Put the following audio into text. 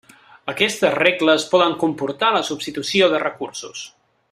Aquestes regles poden comportar la substitució de recursos.